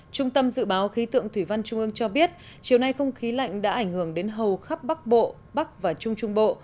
trung tâm dự báo khí tượng thủy văn trung ương cho biết chiều nay không khí lạnh đã ảnh hưởng đến hầu khắp bắc bộ bắc và trung trung bộ